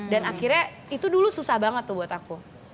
dan akhirnya itu dulu susah banget buat aku